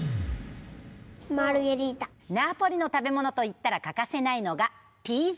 ナポリの食べ物といったら欠かせないのがピザ！